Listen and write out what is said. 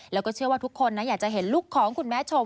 แล้วก็เชื่อว่าทุกคนอยากจะเห็นลูกของคุณแม่ชม